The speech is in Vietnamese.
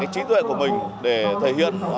trí tuệ của mình để thể hiện